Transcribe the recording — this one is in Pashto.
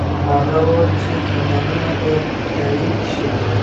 هغه وویل چې خبرونه به تایید شي.